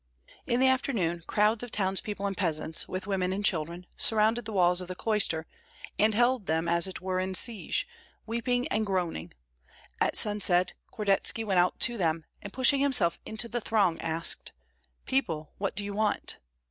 In the afternoon crowds of townspeople and peasants, with women and children, surrounded the walls of the cloister, and held them as it were in siege, weeping and groaning. At sunset Kordetski went out to them, and pushing himself into the throng, asked, "People, what do you want?"